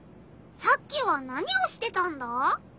さっきは何をしてたんだ？